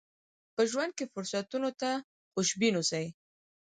په ژوند کې فرصتونو ته خوشبين اوسئ.